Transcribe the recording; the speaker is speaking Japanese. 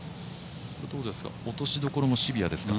落としどころもシビアですか？